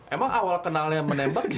emang awal kenalnya menembak gitu kan